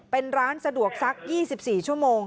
เป็นร้านสะดวกซัก๒๔ชั่วโมง